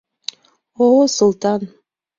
— О-о, Султан!